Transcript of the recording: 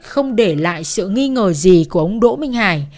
không để lại sự nghi ngờ gì của ông đỗ minh hải